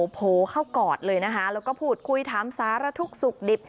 แล้วก็พูดคุยถ้ำสารทุกข์สุขดิบ